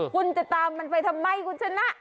คุณจะตามมันไปทำไมคุณชนะ